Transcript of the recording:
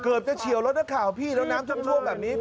เกือบจะเฉียวรถนักข่าวพี่แล้วน้ำท่วมแบบนี้